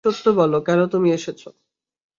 সত্য বল, কেন তুমি এসেছো?